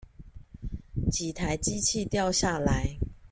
幾台機器掉下來